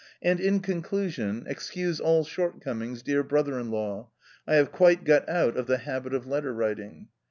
And, in conclusion, excuse all shortcomings, dear brother in law — I have quite got out of the habit of letter writing.